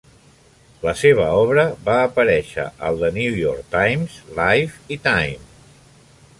La seva obra va aparèixer al "The New York Times", "Life" i "Time".